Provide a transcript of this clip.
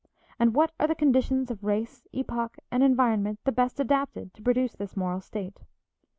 And what are the conditions of race, epoch, and environment the best adapted to produce this moral state?